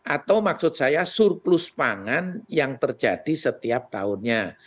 atau maksud saya surplus pangan yang terjadi setiap tahunnya